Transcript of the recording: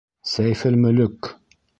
Сәйфелмөлөк.